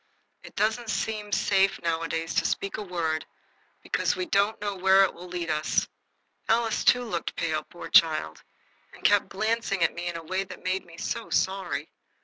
It doesn't seem safe nowadays to speak a word, because we don't know where it will lead us. Alice, too, looked pale, poor child! and kept glancing at me in a way that made me so sorry.